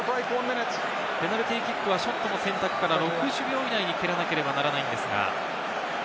ペナルティーキックはショットの選択から６０秒位内に蹴らなければならないんですが。